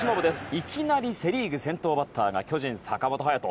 いきなりセ・リーグの先頭バッターが巨人の坂本勇人。